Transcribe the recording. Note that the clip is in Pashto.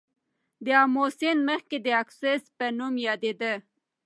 د آمو سیند مخکې د آکوسس په نوم یادیده.